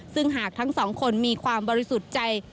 ซึ่งหากทั้งสองคนมีความบริสุทธิ์ใจ